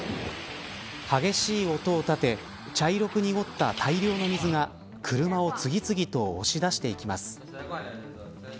激しい音を立て茶色く濁った大量の水が車を次々と押し出していきます。